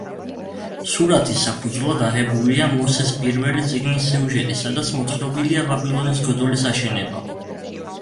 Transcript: სურათის საფუძვლად აღებულია მოსეს პირველი წიგნის სიუჟეტი, სადაც მოთხრობილია ბაბილონის გოდოლის აშენება.